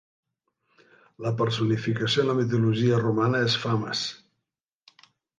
La personificació en la mitologia romana és Fames.